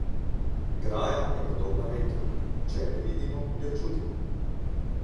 Graja je podobna vetru: če je ne vidimo, jo čutimo.